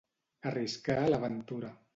Arriscar la ventura.